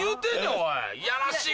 ・おい！